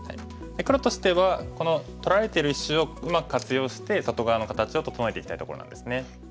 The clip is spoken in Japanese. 黒としてはこの取られてる石をうまく活用して外側の形を整えていきたいところなんですね。